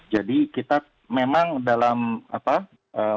jadi kita memang dalam apa melihat dokter perawan